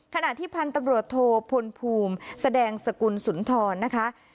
ขณะที่พันธุ์ตำรวจโทพลภูมิแสดงสกุลสุนทรนะคะ